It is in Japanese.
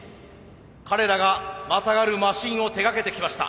彼らがまたがるマシンを手がけてきました。